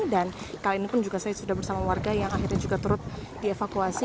dan kali ini pun saya juga bersama warga yang akhirnya juga turut dievakuasi